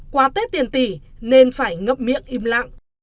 quà tết tiền tỷ nên phải ngậm miệng im lặng